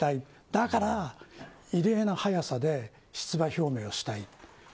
だから、異例な速さで出馬表明をしたい。